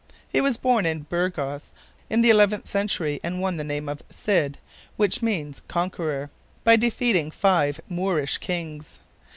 He was born in Burgos in the eleventh century and won the name of "Cid," which means "Conqueror," by defeating five Moorish kings.